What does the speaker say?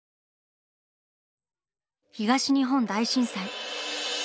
東日本大震災。